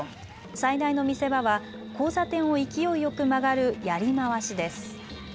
最大の見せ場は交差点を勢いよく曲がるやりまわしです。